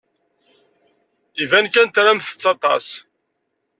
Iban kan tramt-tt aṭas.